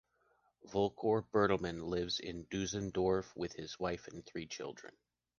Volker Bertelmann lives in Düsseldorf with his wife and three children.